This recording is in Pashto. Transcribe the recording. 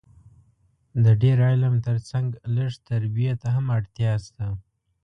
د ډېر علم تر څنګ لږ تربیې ته هم اړتیا سته